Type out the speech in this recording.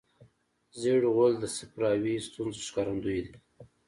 ژېړ غول د صفراوي ستونزو ښکارندوی دی.